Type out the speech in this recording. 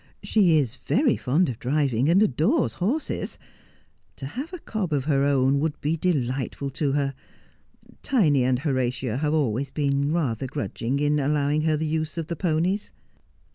She is very fond of driving, and adores horses. To have a cob of her own u 290 Just as I Am. would be delightful to her. Tiny and Horatia have been always rather grudging in allowing her the use of the ponies.'